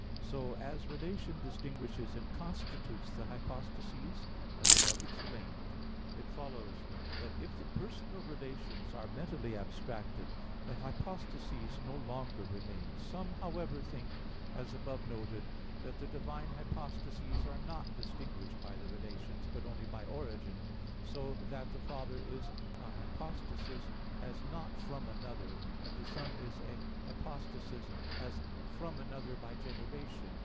So, as relation distinguishes and constitutes the hypostases, as above explained (A. 2), it follows that if the personal relations are mentally abstracted, the hypostases no longer remain. Some, however, think, as above noted, that the divine hypostases are not distinguished by the relations, but only by origin; so that the Father is a hypostasis as not from another, and the Son is a hypostasis as from another by generation.